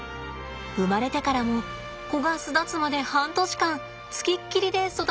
生まれてからも子が巣立つまで半年間付きっきりで育てるんだって。